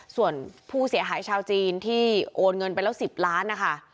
ส่วนผู้เสียหายชาวจีนที่โอนเงินไปแล้ว๑๐ล้านนะคะ